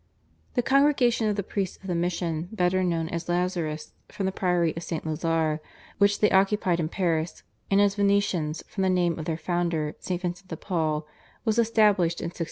The Congregation of the Priests of the Mission, better known as Lazarists from the priory of St. Lazare which they occupied in Paris, and as Vincentians from the name of their founder, St. Vincent de Paul, was established in 1624.